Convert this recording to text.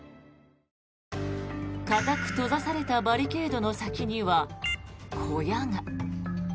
固く閉ざされたバリケードの先には小屋が。